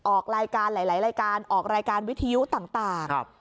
ออกรายการหลายรายการออกรายการวิทยุต่าง